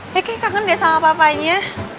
ya kek kangen deh sama papanya